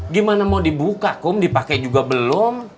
gimana mau dibuka kum dipakai juga belum